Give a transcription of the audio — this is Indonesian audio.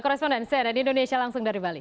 koresponden saya dari indonesia langsung dari bali